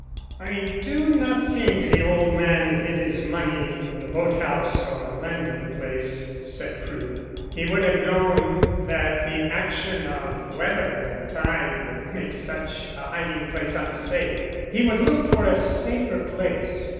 "I do not think the old man hid his money in the boat house or landing place," said Crewe. "He would have known that the action of weather and tide would make such a hiding place unsafe. He would look for a safer place.